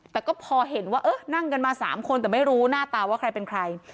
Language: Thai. แต่ก็พอเห็นว่าเออนั่งกันมา๓คนแต่ไม่รู้หน้าตาว่าใครเป็นใคร